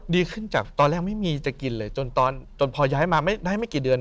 ดีขึ้นจากตอนแรกไม่มีจะกินเลยจนพอย้ายมาไม่ได้ไม่กี่เดือน